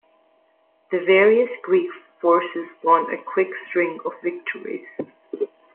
The various Greek forces won a quick string of victories.